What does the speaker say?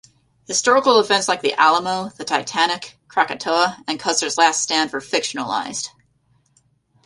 Historical events like the Alamo, the Titanic, Krakatoa, and Custer's last stand were fictionalized.